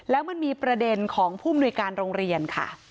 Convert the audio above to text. แล้วมันมีประเด็นของผู้มนุยการโรงเรียนค่ะ